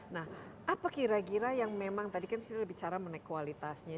nah apa kira kira yang memang tadi kan kita bicara mengenai kualitasnya